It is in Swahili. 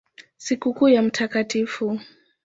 Sikukuu ya Mt.